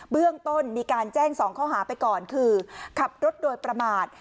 เบื้องต้นมีการแจ้ง๒ข้อหาไปก่อนคือขับรถโดยประมาท